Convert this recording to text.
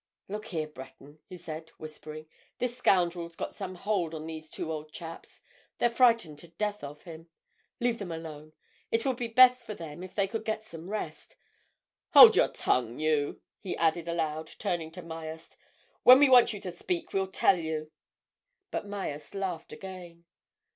"Look here, Breton," he said, whispering, "this scoundrel's got some hold on these two old chaps—they're frightened to death of him. Leave them alone: it would be best for them if they could get some rest. Hold your tongue, you!" he added aloud, turning to Myerst. "When we want you to speak we'll tell you." But Myerst laughed again.